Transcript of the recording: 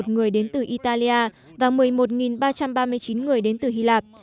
một người đến từ italia và một mươi một ba trăm ba mươi chín người đến từ hy lạp